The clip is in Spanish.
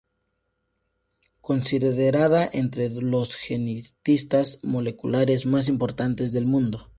Considerada entre los genetistas moleculares más importantes del mundo.